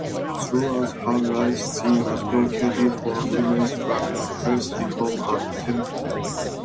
Throughout her life she advocated for women's rights, health reform, and temperance.